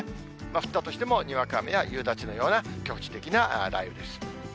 降ったとしてもにわか雨や夕立のような局地的な雷雨です。